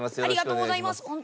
ありがとうございます。